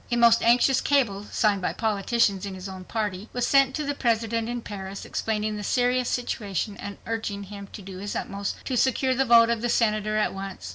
A most anxious cable, signed by politicians in his own party, was sent to the President in Paris explaining the serious situation and urging him to do his utmost to secure the vote of the Senator at once.